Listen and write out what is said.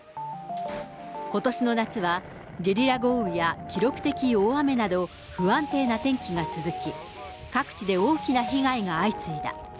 ことしの夏は、ゲリラ豪雨や記録的大雨など、不安定な天気が続き、各地で大きな被害が相次いだ。